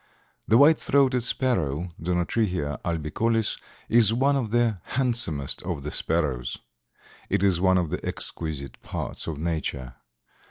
The White throated Sparrow (Zonotrichia albicollis) is one of the handsomest of the sparrows. It is one of the exquisite parts of nature.